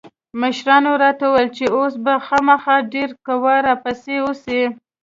مشرانو راته وويل چې اوس به خامخا ډېره قوا را پسې راسي.